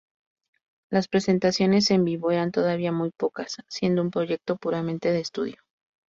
Las presentaciones en vivo eran todavía muy pocas, siendo un proyecto puramente de estudio.